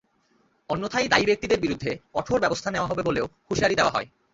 অন্যথায় দায়ী ব্যক্তিদের বিরুদ্ধে কঠোর ব্যবস্থা নেওয়া হবে বলেও হুঁশিয়ারি দেওয়া হয়।